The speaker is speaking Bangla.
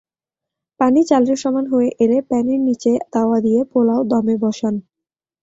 পানি চালের সমান হয়ে এলে প্যানের নিচে তাওয়া দিয়ে পোলাও দমে বসান।